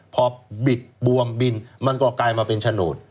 พอบิดบวมบินมันก็กลายมาเป็นโฉนด